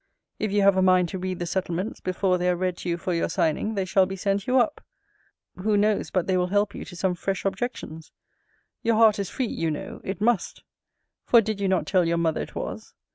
If you have a mind to read the settlements, before they are read to you for your signing, they shall be sent you up Who knows, but they will help you to some fresh objections? Your heart is free, you know It must For, did you not tell your mother it was?